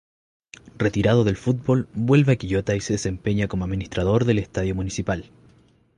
Retirado del fútbol, vuelve a Quillota y se desempeña como administrador del Estadio Municipal.